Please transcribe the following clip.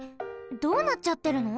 どうなっちゃってるの？